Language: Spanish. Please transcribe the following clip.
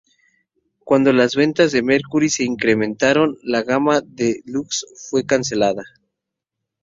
Cuando las ventas de Mercury se incrementaron, la gama De Luxe fue cancelada.